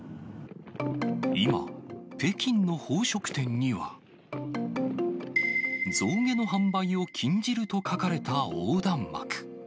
今、北京の宝飾店には、象牙の販売を禁じると書かれた横断幕。